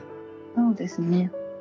そうですね。